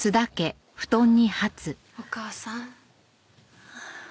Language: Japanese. お母さん。